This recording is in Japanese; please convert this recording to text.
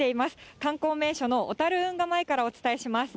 観光名所の小樽運河前からお伝えします。